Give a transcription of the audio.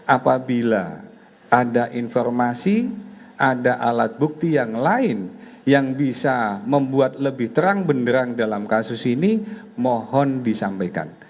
apabila ada informasi ada alat bukti yang lain yang bisa membuat lebih terang benderang dalam kasus ini mohon disampaikan